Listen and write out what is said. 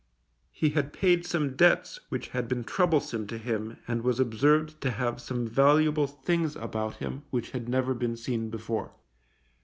He had paid some debts which had been troublesome to him and was observed to have some valuable things about him which had never been seen before.